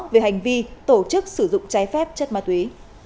về hành vi tổ chức sử dụng trái phép chất ma túy